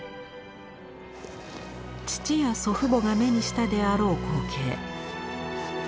父や祖父母が目にしたであろう光景。